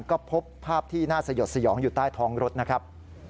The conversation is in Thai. ก็พบภาพที่น่าสยดสยองอยู่ใต้ท้องรถนะครับ